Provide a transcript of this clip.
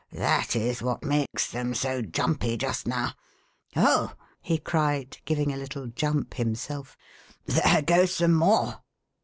That is what makes them so jumpy just now. Oh," he cried, giving a little jump himself, " there go some more